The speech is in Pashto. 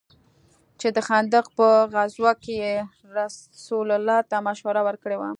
چې د خندق په غزوه كښې يې رسول الله ته مشوره وركړې وه.